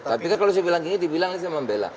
tapi kalau saya bilang ini dibilang ini memang bela